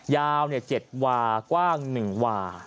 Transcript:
ยาว๗วาห์กว้าง๑วาห์